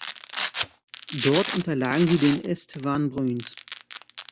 Dort unterlagen sie den Estevan Bruins.